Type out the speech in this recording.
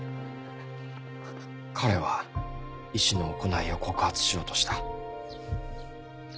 彼は医師の行いを告発しようとした。